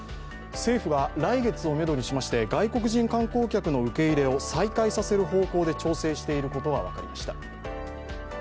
政府が来月をめどにしまして、外国人観光客の受け入れを再開させる方向で調整していることが分かりました。